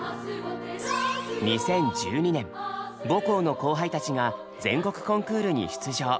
２０１２年母校の後輩たちが全国コンクールに出場。